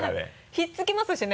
ひっ付きますしね。